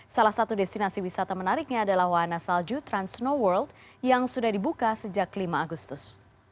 salah satu destinasi wisata menariknya adalah wahana salju trans snow world yang sudah dibuka sejak lima agustus